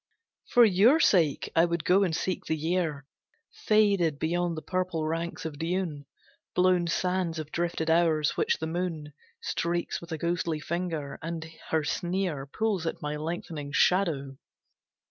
For your sake, I would go and seek the year, Faded beyond the purple ranks of dune, Blown sands of drifted hours, which the moon Streaks with a ghostly finger, and her sneer Pulls at my lengthening shadow.